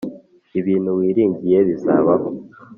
Ibintu wiringiye bizabaho